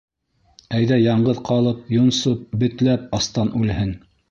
Әйҙә яңғыҙ ҡалып, йонсоп, бетләп, астан үлһен!